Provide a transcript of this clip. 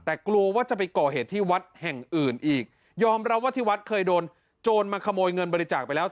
แต่กลัวว่าจะไปก่อเหตุที่วัดแห่งอื่นอีกยอมรับว่าที่วัดเคยโดนโจรมาขโมยเงินบริจาคไปแล้ว